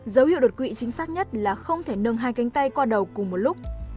dấu hiệu đột quỵ chính xác nhất là không thể nâng hai cánh tay qua đầu cùng một lúc